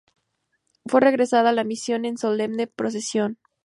Fue regresada a la Misión en solemne procesión.